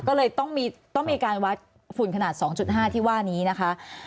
ก็เลยต้องมีการวัดฝุ่นขนาด๒๕ที่ว่านี้นะคะ